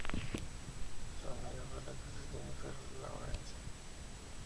Su amiga fue la actriz Jennifer Lawrence.